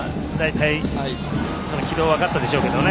軌道が分かったでしょうけどね